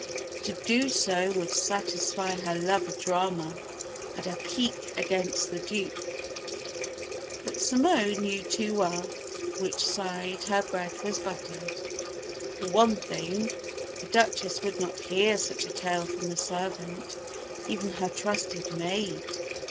To do so would satisfy her love of drama, and her pique against the Duke; but Simone knew too well "which side her bread was buttered." For one thing, the Duchess would not hear such a tale from a servant, even her trusted maid.